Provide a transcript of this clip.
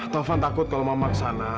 tante takut kalau mama ke sana